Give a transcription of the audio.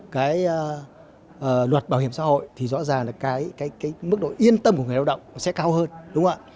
cái luật bảo hiểm xã hội thì rõ ràng là cái mức độ yên tâm của người lao động sẽ cao hơn